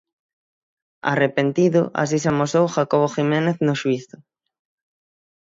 Arrepentido, así se amosou Jacobo Jiménez no xuízo.